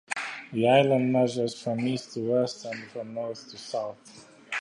The island measures from east to west, and from north to south.